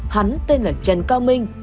hắn tên là trần cao minh